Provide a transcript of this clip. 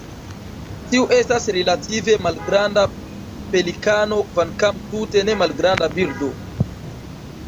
Tiu estas relative malgranda pelikano kvankam tute ne malgranda birdo.